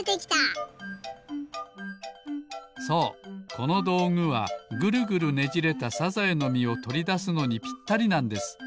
このどうぐはグルグルねじれたサザエのみをとりだすのにぴったりなんです。